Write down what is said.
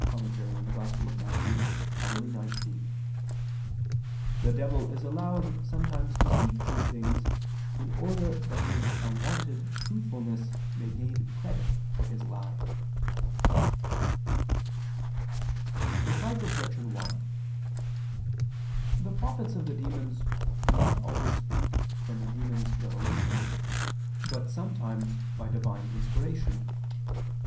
in Matth., Hom. xix, falsely ascribed to St. John Chrysostom]: "The devil is allowed sometimes to speak true things, in order that his unwonted truthfulness may gain credit for his lie." Reply Obj. 1: The prophets of the demons do not always speak from the demons' revelation, but sometimes by Divine inspiration.